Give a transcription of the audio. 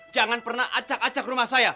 jangan pernah acak acak rumah saya